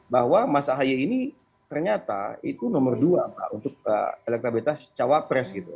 bahwa mas ahaye ini ternyata itu nomor dua pak untuk elektabilitas cawapres gitu